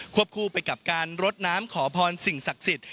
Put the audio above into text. คู่ไปกับการรดน้ำขอพรสิ่งศักดิ์สิทธิ์